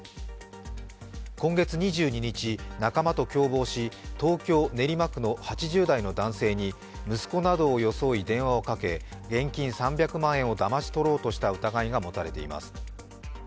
今月２２日、仲間と共謀し、東京・練馬区の８０代の男性に息子などを装い電話をかけ現金３００万円をだまし取ろうとした疑いがもたれています。